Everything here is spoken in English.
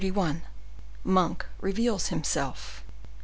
Monk reveals Himself.